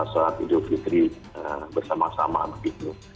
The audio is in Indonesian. sholat idul fitri bersama sama begitu